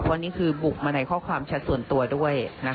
เพราะนี่คือบุ๋มมาในข้อความชัดส่วนตัวด้วยนะคะ